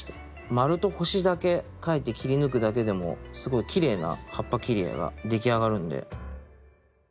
丸と星だけ描いて切り抜くだけでもすごいきれいな葉っぱ切り絵が出来上がるんで。